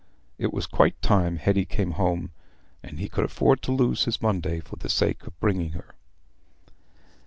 It was quite time Hetty came home, and he would afford to lose his Monday for the sake of bringing her.